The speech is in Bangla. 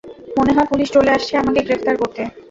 মনে হয় পুলিশ চলে আসছে আমাকে গ্রেফতার করতে।